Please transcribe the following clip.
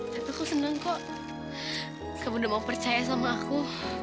tapi aku senang kok kamu udah mau percaya sama aku